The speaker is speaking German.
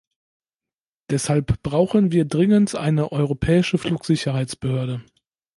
Deshalb brauchen wir dringend eine europäische Flugsicherheitsbehörde.